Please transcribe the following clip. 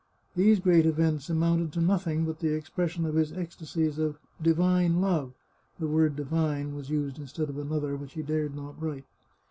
These great events amounted to nothing but the expression of his ecstasies of divine love (the word divine was used instead 61 another, which he dared not write).